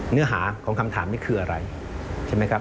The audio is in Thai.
เนื้อหาของคำถามนี้คืออะไรใช่ไหมครับ